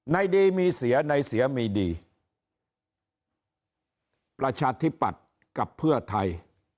ดีมีเสียในเสียมีดีประชาธิปัตย์กับเพื่อไทย